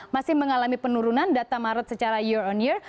masih mengalami penurunan data maret secara year on year